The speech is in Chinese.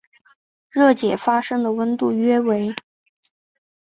热解发生的温度约为。